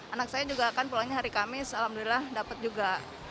anak saya juga kan pulangnya hari kamis alhamdulillah dapat juga